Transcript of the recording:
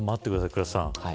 倉田さん。